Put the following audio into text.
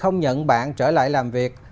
nhận bạn trở lại làm việc